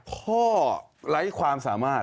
ไร้ความสามารถ